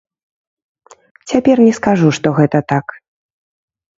Цяпер не скажу, што гэта так.